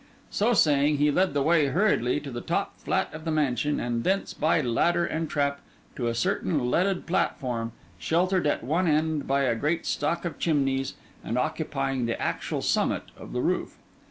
So saying, he led the way hurriedly to the top flat of the mansion, and thence, by ladder and trap, to a certain leaded platform, sheltered at one end by a great stalk of chimneys and occupying the actual summit of the roof.